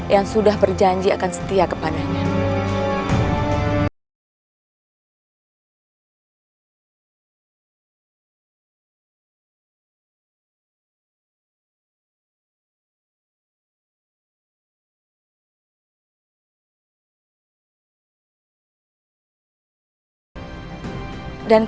yang sudah berjanji akan setia kepadanya